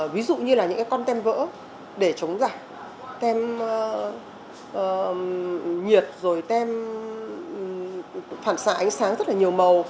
ví dụ như là những cái con tem vỡ để chống giả tem nhiệt rồi tem phản xạ ánh sáng rất là nhiều màu